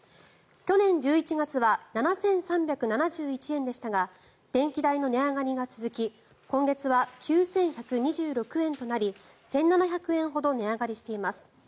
去年１１月は７３７１円でしたが電気代の値上がりが続き今月は９１２６円となり１７００円ほど値上がりしています。